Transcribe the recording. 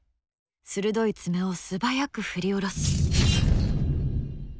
鋭い爪を素早く振り下ろす。